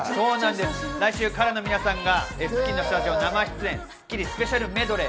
来週、ＫＡＲＡの皆さんが『スッキリ』のスタジオ生出演、スッキリスペシャルメドレー。